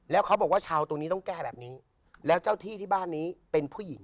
แล้วเขาบอกว่าชาวตรงนี้ต้องแก้แบบนี้แล้วเจ้าที่ที่บ้านนี้เป็นผู้หญิง